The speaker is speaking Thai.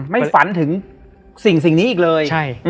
ฝันถึงสิ่งนี้อีกเลย